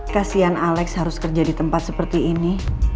kasian alex harus kerja di tempat seperti ini